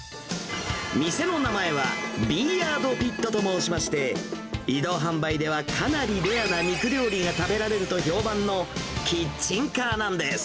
店の名前は、ビーヤードピットと申しまして、移動販売ではかなりレアな肉料理が食べられると評判のキッチンカーなんです。